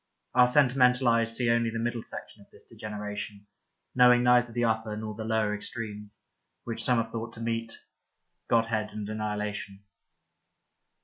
Our sentimental eyes see only the middle section of this degeneration, knowing neither the upper nor the lower extremes, which some have thought to meet, godhead and annihilation.